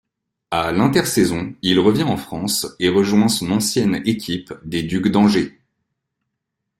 À l'intersaison, il revient en France et rejoint son ancienne équipe des Ducs d'Angers.